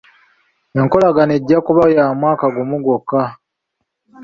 Enkolagana ejja kuba ya mwaka gumu gwokka.